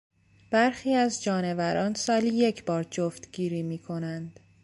برخی از جانوران سالی یک بار جفتگیری میکنند.